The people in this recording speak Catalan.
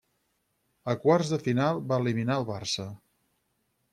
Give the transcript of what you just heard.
A quarts de final va eliminar el Barça.